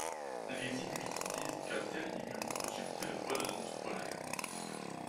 Les inuits disent qu'un tel iglou peut supporter le poids d'un ours polaire.